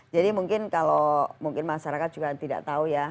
jadi mungkin kalau mungkin masyarakat juga tidak tahu ya